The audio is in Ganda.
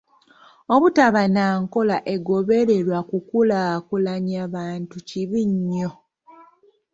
Obutaba na nkola egobererwa kukulaakulanya bantu kibi nnyo.